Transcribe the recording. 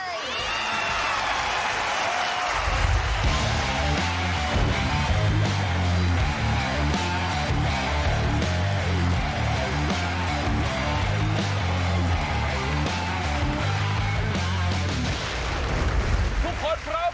ทุกคนพร้อมไหมครับ